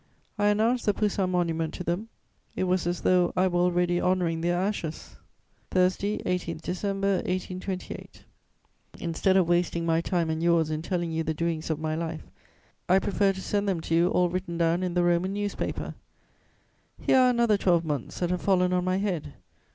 I announced the Poussin Monument to them; it was as though I were already honouring their ashes." Thursday, 18 December 1828. "Instead of wasting my time and yours in telling you the doings of my life, I prefer to send them to you all written down in the Roman newspaper. Here are another twelve months that have fallen on my head.